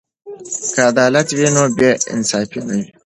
که عدالت وي نو بې انصافي نه وي.